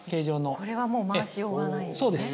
これはもう回しようがないんですね。